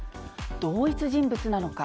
同一人物なのか。